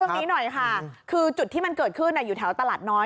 ตรงนี้หน่อยค่ะคือจุดที่มันเกิดขึ้นอยู่แถวตลาดน้อย